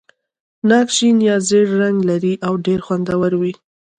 ناک شین یا ژېړ رنګ لري او ډېر خوندور وي.